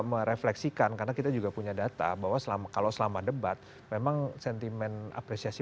merefleksikan karena kita juga punya data bahwa selama kalau selama debat memang sentimen apresiasi